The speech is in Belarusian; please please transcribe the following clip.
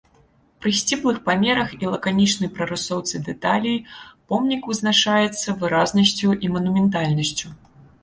Пры сціплых памерах і лаканічнай прарысоўцы дэталей помнік вызначаецца выразнасцю і манументальнасцю.